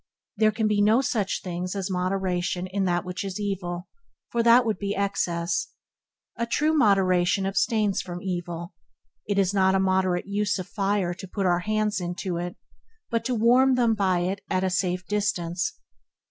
There can be no such things as moderation in that which is evil, for that would be excess. A true moderation abstains from evil. It is not a moderate use of fire to put our hands into it, but to warm them by it at a safe distance.